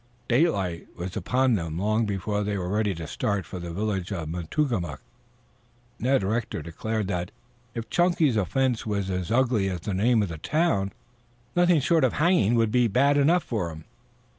Daylight was upon them long before they were ready to start for the village of Matungamook. Ned Rector declared that, if Chunky's offense was as ugly as the name of the town, nothing short of hanging would be bad enough for him.